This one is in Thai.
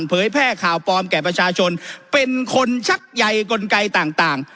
เผยแพร่ข่าวปลอมแก่ประชาชนเป็นคนชักใยกลไกต่าง